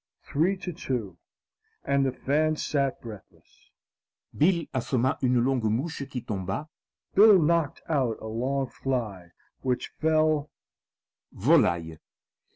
three to two, and the fans sat breathless. Bill assomma une longue mouche qui tomba Bill knocked out a long fly which fell volaille.